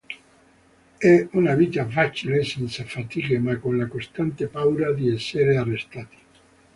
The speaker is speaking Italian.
È una vita facile senza fatiche ma con la costante paura di essere arrestati.